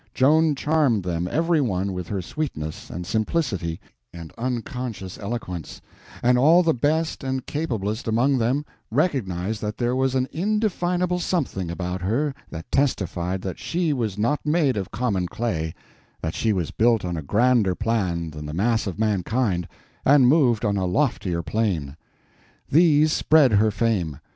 Joan charmed them every one with her sweetness and simplicity and unconscious eloquence, and all the best and capablest among them recognized that there was an indefinable something about her that testified that she was not made of common clay, that she was built on a grander plan than the mass of mankind, and moved on a loftier plane. These spread her fame.